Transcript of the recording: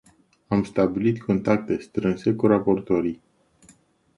Am stabilit contacte strânse cu raportorii.